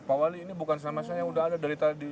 pak wali ini bukan sama saya yang sudah ada dari tadi